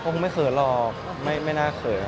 ผมไม่เคยหรอกไม่น่าเคย